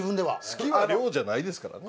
好きは量じゃないですからね。